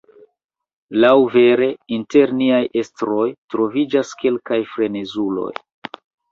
Laŭvere, inter niaj estroj troviĝas kelkaj frenezuloj.